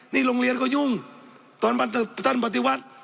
นี่โรงเรียนก็ยุ่งตอนท่านปฏิวัติ